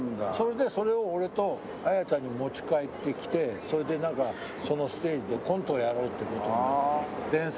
それでそれを俺と綾ちゃんに持ち帰ってきてそれでなんかそのステージでコントをやろうって事になって。